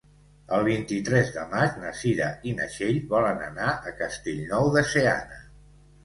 El vint-i-tres de maig na Cira i na Txell volen anar a Castellnou de Seana.